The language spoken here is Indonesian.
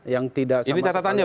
yang tidak sama sama ada kaitannya